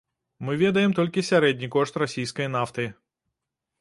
Мы ведаем толькі сярэдні кошт расійскай нафты.